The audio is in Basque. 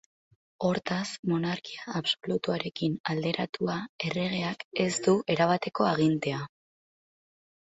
Hortaz, monarkia absolutuarekin alderatua, erregeak ez du erabateko agintea.